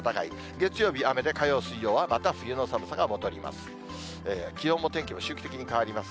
月曜日雨で、火曜、水曜は、また冬の寒さが戻ります。